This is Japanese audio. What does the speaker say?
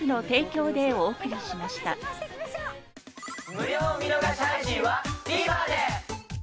無料見逃し配信はＴＶｅｒで。